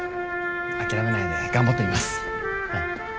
諦めないで頑張ってみます。